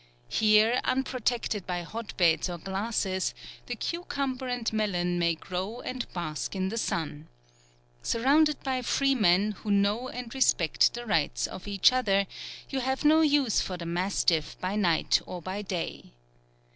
— Here, unprotected by hot beds or glasses, the cucumber and melon may grow and bask in the sun. Surrounded by freemen, who know and respect the rights of each other, you have no use for the mastiff by night or by day.